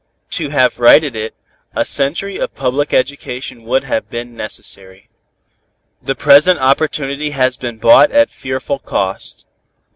To have righted it, a century of public education would have been necessary. The present opportunity has been bought at fearful cost.